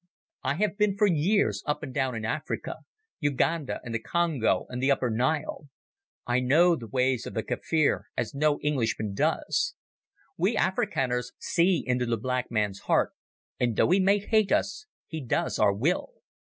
"I have been for years up and down in Africa—Uganda and the Congo and the Upper Nile. I know the ways of the Kaffir as no Englishman does. We Afrikanders see into the black man's heart, and though he may hate us he does our will.